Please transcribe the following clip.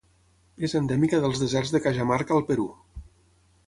És endèmica dels deserts de Cajamarca al Perú.